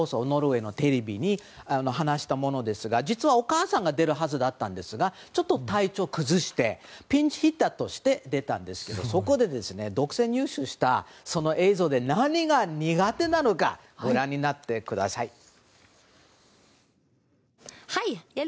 ノルウェーのテレビで話したものですが実はお母さんが出るはずだったんですがちょっと体調を崩してピンチヒッターで出たんですがそこで、独占入手した映像で何が苦手なのかご覧になってください。